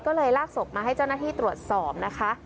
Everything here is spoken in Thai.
ก็เลยลากศพมาให้เจ้าหน้าที่ตรวจสอบนะคะ